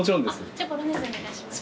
じゃボロネーゼお願いします。